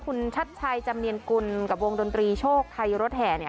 คุณชัดชัยจำเนียนกุลกับวงดนตรีโชคไทยรถแห่เนี่ย